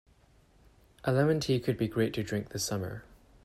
A lemon tea could be great to drink this summer.